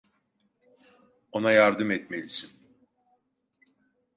Ona yardım etmelisin.